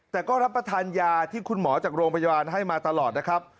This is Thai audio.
แต่ก็รับประทานยาที่คุณหมอจากโรงพยาบาลให้มาตลอดนะครับ